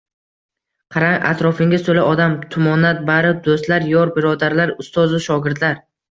Qarang: atrofingiz to‘la odam. Tumonat. Bari do‘stlar, yor-birodarlar, ustozu shogirdlar.